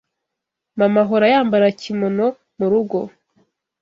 Mama ahora yambara kimono murugo.